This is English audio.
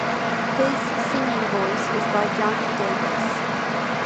His singing voice is by Johnnie Davis.